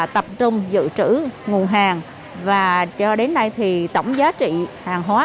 tập trung dự trữ nguồn hàng và cho đến nay thì tổng giá trị hàng hóa